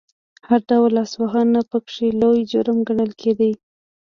هر ډول لاسوهنه پکې لوی جرم ګڼل کېده.